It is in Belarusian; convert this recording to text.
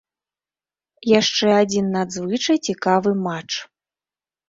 Яшчэ адзін надзвычай цікавы матч.